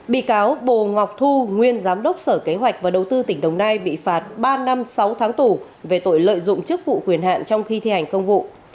bị cáo bồ ngọc thu nguyên giám đốc sở kế hoạch và đầu tư tỉnh đồng nai bị phạt ba năm sáu tháng tù về tội lợi dụng chức vụ quyền hạn trong khi thi hành công vụ